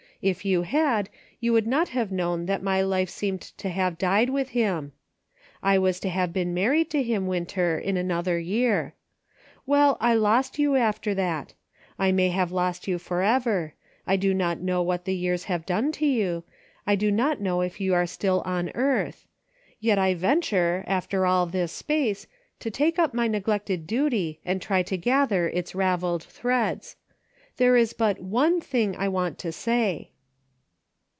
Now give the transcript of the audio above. If you had, you would not have known that my life seemed to have died with him. I was to have been married to him, Winter, in another year. Well, I lost you after that. I may have lost you forever; I do not know what the years have done to you, I do not know if you are still on the earth, — yet I venture, after all this space, to take up my neglected duty and try to gather its raveled threads. There is but om thing I want to say.